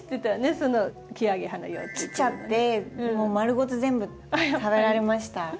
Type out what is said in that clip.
そのキアゲハの幼虫。来ちゃってもう丸ごと全部食べられました。